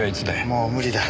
もう無理だ。